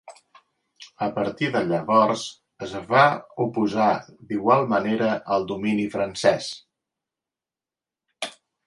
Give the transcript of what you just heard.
A partir de llavors es va oposar d'igual manera al domini francés.